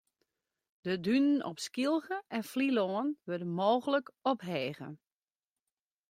De dunen op Skylge en Flylân wurde mooglik ophege.